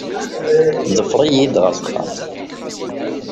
Ḍfer-iyi-d ɣer texxamt.